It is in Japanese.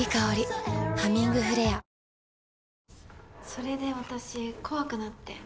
それで私怖くなって。